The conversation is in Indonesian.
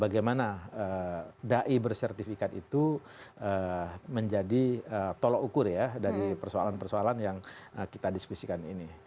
bagaimana dai bersertifikat itu menjadi tolok ukur ya dari persoalan persoalan yang kita diskusikan ini